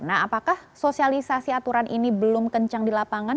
nah apakah sosialisasi aturan ini belum kencang di lapangan